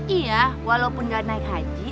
iya walaupun nggak naik haji